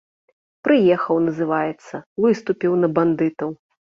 Прыехаў, называецца, выступіў на бандытаў.